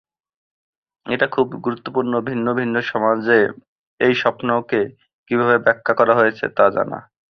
এটা খুবই গুরুত্বপূর্ণ ভিন্ন ভিন্ন সমাজে এই স্বপ্নকে কিভাবে ব্যাখ্যা করা হয়েছে; তা জানা।